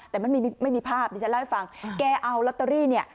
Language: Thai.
แต่มันไม่มีภาพดิฉันเล่าให้ฟังแกเอาลอตเตอรี่เนี่ย